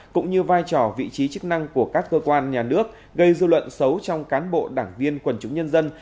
cũng như vai trò vị trí chức năng của các cơ quan nhà nước gây dư luận xấu trong cán bộ đảng viên quần chúng nhân dân